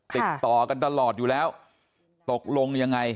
ติดต่อกันตลอดอยู่แล้วตกลงยังไง